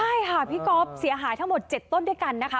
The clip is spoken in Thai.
ใช่ค่ะพี่ก๊อฟเสียหายทั้งหมด๗ต้นด้วยกันนะคะ